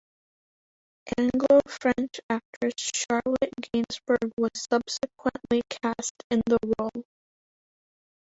Anglo-French actress Charlotte Gainsbourg was subsequently cast in the role.